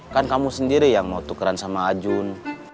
kan kamu sendiri yang mau tukeran sama ajun